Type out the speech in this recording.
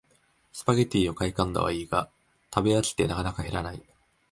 スパゲティを買いこんだはいいが食べ飽きてなかなか減らない